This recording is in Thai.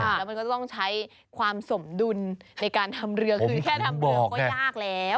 แล้วมันก็จะต้องใช้ความสมดุลในการทำเรือคือแค่ทำเรือก็ยากแล้ว